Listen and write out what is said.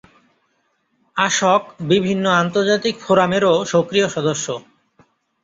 আসক বিভিন্ন আন্তর্জাতিক ফোরামেরও সক্রিয় সদস্য।